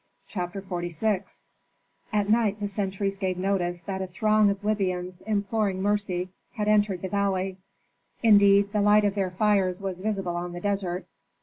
CHAPTER XLVI At night the sentries gave notice that a throng of Libyans imploring mercy had entered the valley. Indeed the light of their fires was visible on the desert.